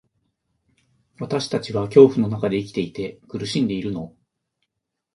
私たちは恐怖の中で生きていて、苦しんでいるの。